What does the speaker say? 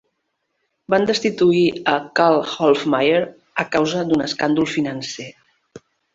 Van destituir a Karl Hofmaier a causa d'un escàndol financer.